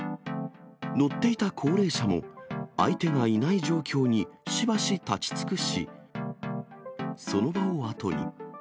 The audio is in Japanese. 乗っていた高齢者も、相手がいない状況にしばし立ち尽くし、その場を後に。